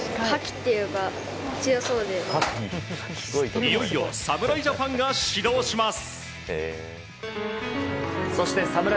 いよいよ侍ジャパンが始動します。